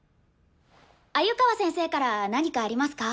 鮎川先生から何かありますか？